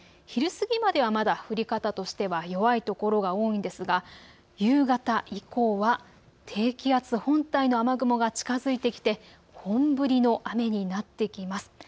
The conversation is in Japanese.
昼過ぎまではまだ降り方としては弱い所が多いんですが夕方以降は低気圧本体の雨雲が近づいてきて本降りの雨になっていきます。